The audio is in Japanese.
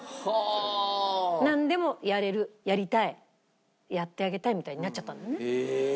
なんでもやれるやりたいやってあげたいみたいになっちゃったんだね。